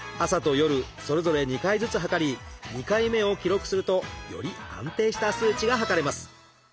朝と夜それぞれ２回ずつ測り２回目を記録するとより安定した数値が測れます。